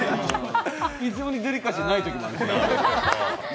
異常にデリカシーないときもある。